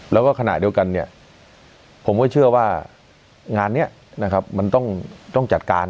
แล้วก็ขณะเดียวกันเนี่ยผมก็เชื่อว่างานนี้นะครับมันต้องจัดการ